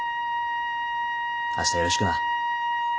明日よろしくな。